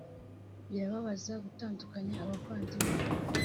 Birababaza gutandukanya abavandimwe